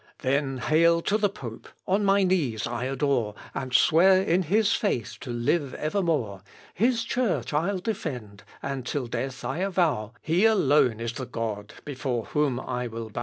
Then hail to the pope; on my knees I adore And swear in his faith to live evermore; His church I'll defend, and till death I avow, He alone is the god before whom I will bow.